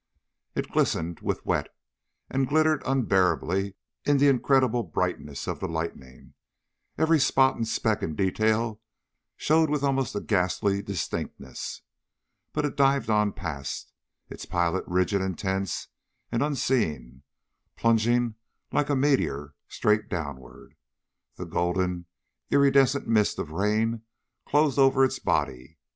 It glistened with wet, and glittered unbearably in the incredible brightness of the lightning. Every spot and speck and detail showed with an almost ghastly distinctness. But it dived on past, its pilot rigid and tense and unseeing, plunging like a meteor straight downward. The golden, iridescent mist of rain closed over its body.